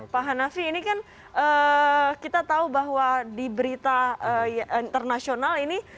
pak hanafi ini kan kita tahu bahwa di berita internasional ini